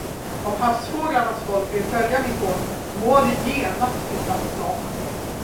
Om havsfåglarnas folk vill följa mitt råd, må det genast flytta mot norr.